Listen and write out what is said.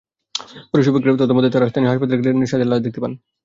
পরে শফিকের তথ্যমতে তাঁরা স্থানীয় হাসপাতালে গিয়ে সাদিয়ার লাশ দেখতে পান।